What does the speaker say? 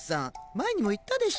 前にも言ったでしょ？